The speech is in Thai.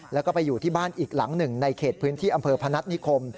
แล้วก็ไปอยู่ที่บ้านอีกหลังหนึ่งในเขตพื้นที่อำเภอพนัฐนิคม